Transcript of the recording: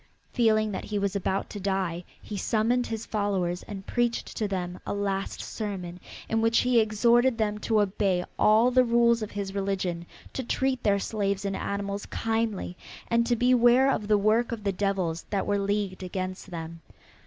Feeling that he was about to die he summoned his followers and preached to them a last sermon in which he exhorted them to obey all the rules of his religion, to treat their slaves and animals kindly and to beware of the works of the devils that were leagued against them.